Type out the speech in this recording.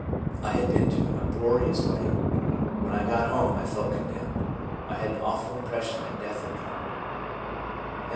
I had been to an uproarious wedding. When I got home I felt condemned. I had an awful impression that death had come/ M.